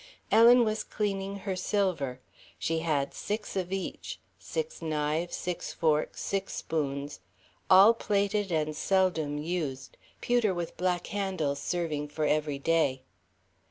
Ellen was cleaning her silver. She had "six of each" six knives, six forks, six spoons, all plated and seldom used, pewter with black handles serving for every day.